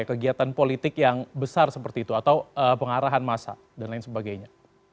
kegiatan politik yang besar seperti itu atau pengarahan masa dan lain sebagainya